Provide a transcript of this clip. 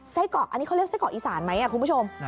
ไส้กรอกอีสานไหมครับคุณผู้ชม